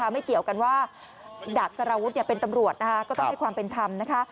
ไม่เกี่ยวกันว่าดาบสารวุฒิเป็นตำรวจก็ต้องให้ความเป็นธรรมนะคะ